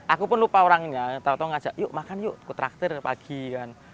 aku pun lupa orangnya tau tau ngajak yuk makan yuk ke traktir pagi kan